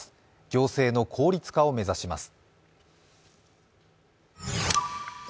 行政の効率化を目指します。